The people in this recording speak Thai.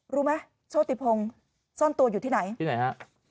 รู้ไหมโชติพงศ์ซ่อนตัวอยู่ที่ไหนที่ไหนฮะ